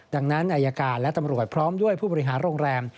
ดังนั้นอายการและตำรวจพร้อมด้วยผู้บริหารโรงแรม